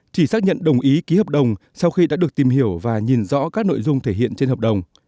chỉ xác nhận đồng ý ký hợp đồng sau khi đã được tìm hiểu và nhìn rõ các nội dung thể hiện trên hợp đồng